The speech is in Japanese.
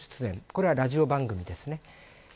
これはラジオ番組ですね。